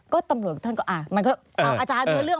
ก็ตัมโลกเขาก็อ้าวอาจารย์เนื้อเรื่อง